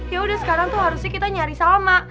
yaudah sekarang tuh harusnya kita nyari salma